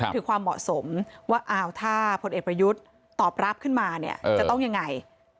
ถึงความเหมาะสมว่าอ้าวถ้าพลเอกประยุทธ์ตอบรับขึ้นมาเนี่ยจะต้องยังไง